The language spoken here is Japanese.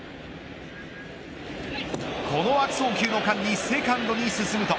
この悪送球の間にセカンドに進むと